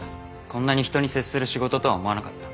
こんなに人に接する仕事とは思わなかった。